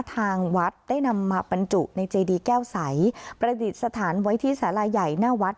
ทางวัดได้นำมาบรรจุในเจดีแก้วใสประดิษฐานไว้ที่สาราใหญ่หน้าวัด